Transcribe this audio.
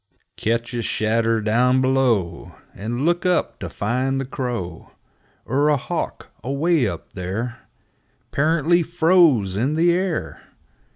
4 Ketch a shadder down below, And look up to find the crow Er a hawk , away up there 'Pearantly froze in the air